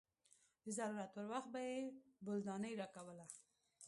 د ضرورت پر وخت به يې بولدانۍ راکوله.